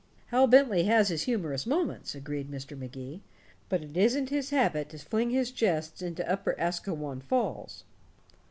"Hal Bentley has his humorous moments," agreed Mr. Magee, "but it isn't his habit to fling his jests into Upper Asquewan Falls."